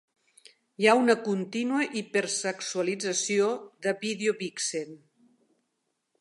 Hi ha una contínua hipersexualització de vídeo vixen.